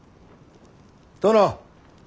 殿。